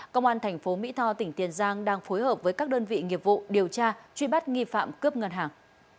công an thành phố mỹ tho tỉnh tiền giang đang phối hợp với các đơn vị nghiệp vụ điều tra truy bắt nghi phạm cướp ngân hàng